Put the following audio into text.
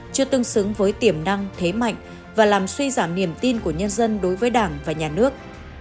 chưa tương xứng với tiềm năng thế mạnh và làm suy giảm niềm tin của nhân dân đối với đảng và nhà nước